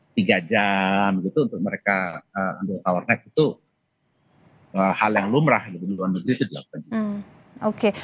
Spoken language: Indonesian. tiga jam untuk mereka power nap itu hal yang lumrah di luar negeri itu dilakukan